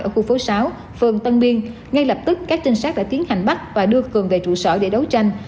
ở khu phố sáu phường tân biên ngay lập tức các trinh sát đã tiến hành bắt và đưa cường về trụ sở để đấu tranh